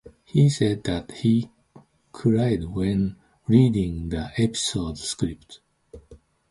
He said that he cried when reading the episode's script.